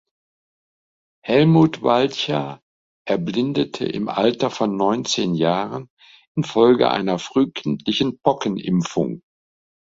Helmut Walcha erblindete im Alter von neunzehn Jahren infolge einer frühkindlichen Pockenimpfung.